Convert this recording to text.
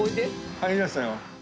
ありましたよ。